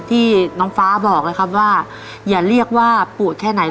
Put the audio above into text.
ที่น้องฟ้าบอกเลยครับว่าอย่าเรียกว่าปวดแค่ไหน